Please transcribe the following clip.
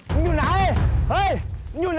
มึงอยู่ไหนเฮ้ยมึงอยู่ไหน